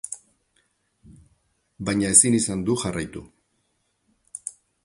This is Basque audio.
Baina ezin izan du jarraitu.